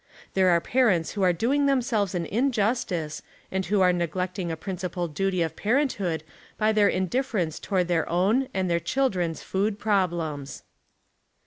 There are parents who are doing themselves an injustice and who are neglecting a principal duty of parenthood by their indift'erence toward their own and their cliildren's food problems.